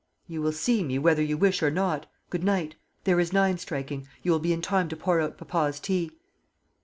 "You will see me, whether you wish or not. Good night. There is nine striking. You will be in time to pour out papa's tea."